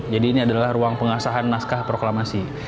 jadi ini adalah ruang pengasahan naskah proklamasi